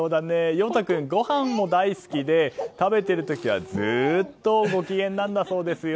陽大君、ごはんも大好きで食べている時はずっとご機嫌なんだそうですよ。